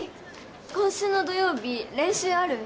今週の土曜日練習ある？